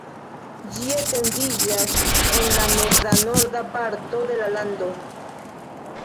Ĝi etendiĝas en la meza-norda parto de la lando.